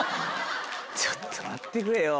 ちょっと待ってくれよ。